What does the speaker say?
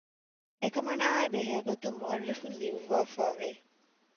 އެކަމަނާއާއި ބެހޭގޮތުން މުއައްރިޚުން ލިޔުއްވައިފައިވެ